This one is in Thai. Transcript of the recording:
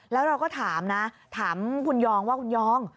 แล้วเราก็ถามนะถามคุณยองว่าคุณยอง